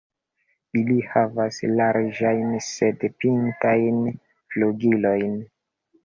Ili havas larĝajn sed pintajn flugilojn.